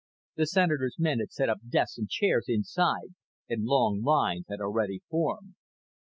The Senator's men had set up desks and chairs inside and long lines had already formed.